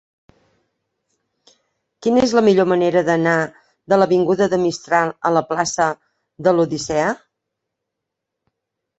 Quina és la millor manera d'anar de l'avinguda de Mistral a la plaça de l'Odissea?